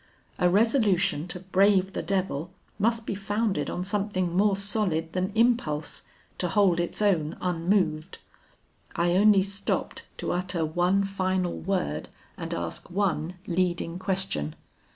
A resolution to brave the devil must be founded on something more solid than impulse, to hold its own unmoved. I only stopped to utter one final word and ask one leading question.